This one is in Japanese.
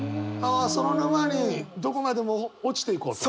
ああそのままにどこまでも落ちていこうと？